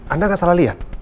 anda gak salah lihat